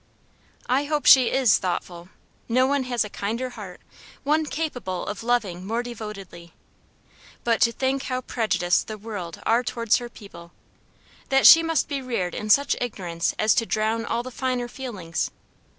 "I hope she IS thoughtful; no one has a kinder heart, one capable of loving more devotedly. But to think how prejudiced the world are towards her people; that she must be reared in such ignorance as to drown all the finer feelings.